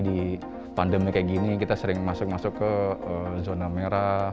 pada pandemi seperti ini kita sering masuk masuk ke zona merah